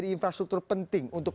infrastruktur penting untuk